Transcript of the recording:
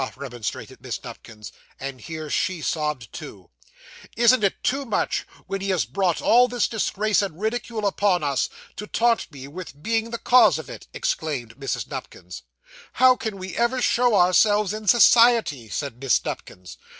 remonstrated Miss Nupkins. And here she sobbed too. 'Isn't it too much, when he has brought all this disgrace and ridicule upon us, to taunt me with being the cause of it?' exclaimed Mrs. Nupkins. 'How can we ever show ourselves in society!' said Miss Nupkins.